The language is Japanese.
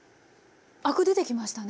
アク出てきましたね。